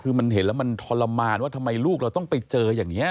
คือมันเห็นแล้วมันทรมานว่าทำไมลูกเราต้องไปเจออย่างนี้